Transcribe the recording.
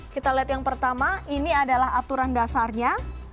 kita lihat yang pertama ini adalah aturan dasarnya